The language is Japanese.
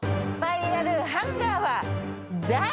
スパイラルハンバーは第。